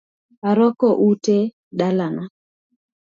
Arwako utee e dala na